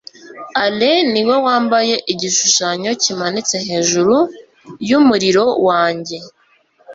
alain niwe wampaye igishushanyo kimanitse hejuru yumuriro wanjye